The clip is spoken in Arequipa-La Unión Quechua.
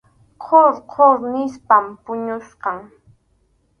Qhur qhur nispam puñuchkan.